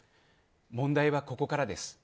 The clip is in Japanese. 問題はここからです。